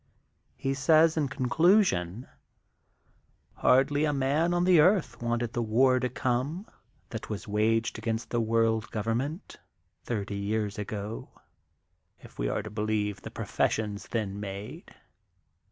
He says in conclusion: —^ Hardly a man on the earth wanted the war to come that was waged against the World Govern ment thirty years ago, if we are to believe the professions then made.